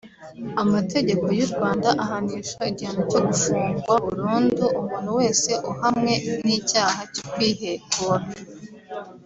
Amategeko y’u Rwanda ahanisha igihano cyo gufungwa burundu umuntu wese uhamwe n’icyaha cyo kwihekura